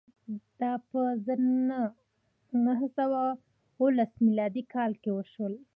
دا په زر نه سوه اوولس میلادي کال کې وشول.